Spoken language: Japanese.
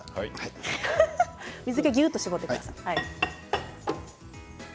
水けをぎゅっと絞ってください。